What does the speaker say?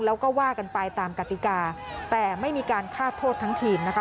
แล้วก็ว่ากันไปตามกติกาแต่ไม่มีการฆ่าโทษทั้งทีมนะคะ